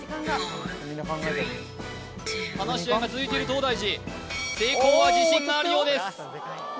みんな考えてる話し合いが続いている東大寺聖光は自信があるようです